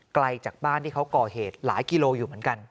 ไกลจากบ้านที่เขาก่อเหตุหลายกิโลอยู่เหมือนกัน